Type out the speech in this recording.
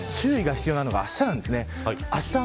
西日本、注意が必要なのがあしたなんです。